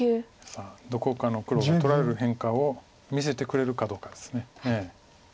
さあどこかの黒が取られる変化を見せてくれるかどうかです。